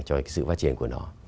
cho sự phát triển của nó